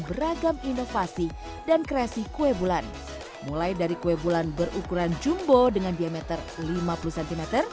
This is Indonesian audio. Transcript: beragam inovasi dan kreasi kue bulan mulai dari kue bulan berukuran jumbo dengan diameter lima puluh cm